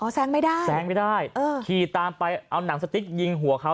แซงไม่ได้แซงไม่ได้เออขี่ตามไปเอาหนังสติ๊กยิงหัวเขา